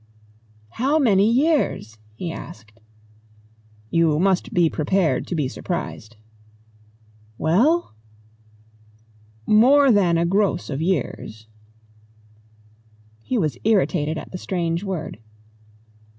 "How many years?" he asked. "You must be prepared to be surprised." "Well?" "More than a gross of years." He was irritated at the strange word.